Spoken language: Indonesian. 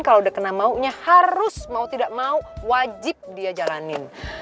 kalau udah kena maunya harus mau tidak mau wajib dia jalanin